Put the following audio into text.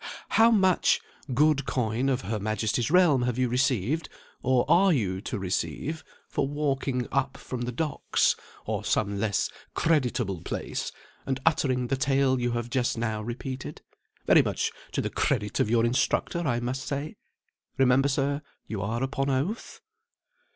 How much good coin of Her Majesty's realm have you received, or are you to receive, for walking up from the docks, or some less creditable place, and uttering the tale you have just now repeated, very much to the credit of your instructor, I must say? Remember, sir, you are upon oath."